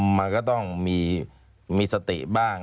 มันก็ต้องมีสติบ้าง